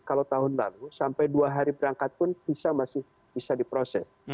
kalau tahun lalu sampai dua hari berangkat pun visa masih bisa diproses